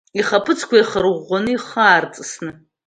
Ихаԥыцқәа еихарӷәӷәаны, ихы аарҵысны.